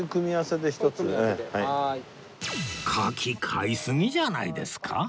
柿買いすぎじゃないですか？